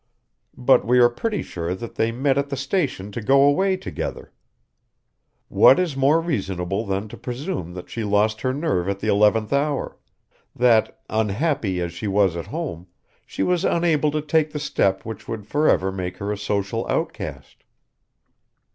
But we are pretty sure that they met at the station to go away together. What is more reasonable than to presume that she lost her nerve at the eleventh hour: that, unhappy as she was at home, she was unable to take the step which would forever make her a social outcast?